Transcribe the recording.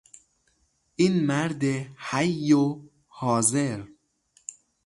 این مرد حی و حاضر